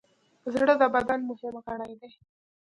زړه د بدن مهم غړی دی.